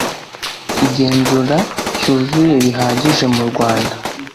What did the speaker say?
igenzura cyuzuye bihagije murwanda